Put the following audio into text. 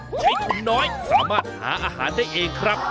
ใช้ถุงน้อยสามารถหาอาหารได้เองครับ